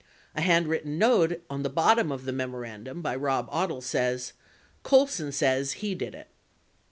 A hand written note on the bottom of the memorandum by Rob Odle says "Colson says he did it."